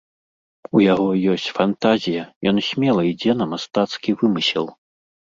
У яго ёсць фантазія, ён смела ідзе на мастацкі вымысел.